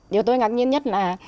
điều tôi ngạc nhiên nhất là